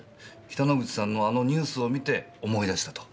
北之口さんのあのニュースを見て思い出したと？